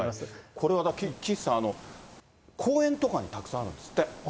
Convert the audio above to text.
これは岸さん、公園とかにたくさんあるんですって。